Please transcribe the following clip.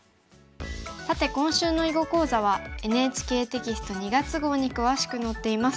さて今週の囲碁講座はＮＨＫテキスト２月号に詳しく載っています。